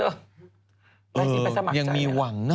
เออยังมีหวังนะ